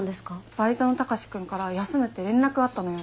バイトのタカシ君から休むって連絡あったのよ。